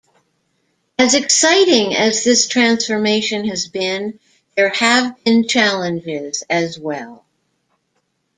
As exciting as this transformation has been, there have been challenges as well.